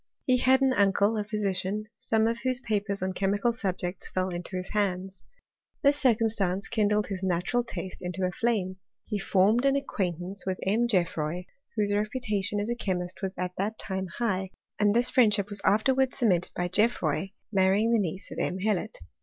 He had an uncle a physfaj some of whose papers on chemical subjects fell i his hands. This circumstance kindled his naturalt into a flame : he formed an acquaintance with* GeofFroy, whose reputation as a chemist was at j time high, and this friendship was afterwards cemest by GeofFroy marrying the niece of M. Hellot.